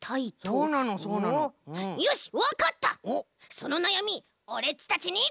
そのなやみオレっちたちに。